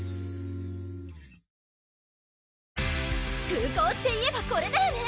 空港っていえばこれだよね